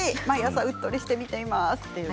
毎朝うっとりして見ています。